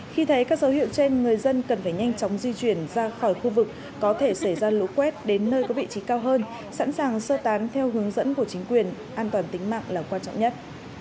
khi thấy các dấu hiệu trên người dân cần phải nhanh chóng di chuyển ra khỏi khu vực có thể xảy ra lũ quét đến nơi có vị trí cao hơn sẵn sàng sơ tán theo hướng dẫn của chính quyền an toàn tính mạng là quan trọng nhất